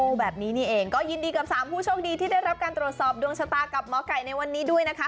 แบบนี้นี่เองก็ยินดีกับสามผู้โชคดีที่ได้รับการตรวจสอบดวงชะตากับหมอไก่ในวันนี้ด้วยนะคะ